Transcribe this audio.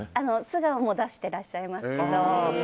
素顔も出していらっしゃいますけど。